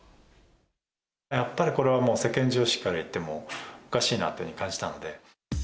やっぱりこれはもう、世間常識から言っても、おかしいなって感じたので。